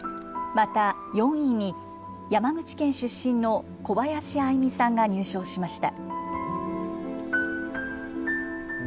また、４位に山口県出身の小林愛実さんが入賞しました。